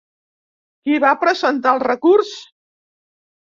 Qui va presentar el recurs?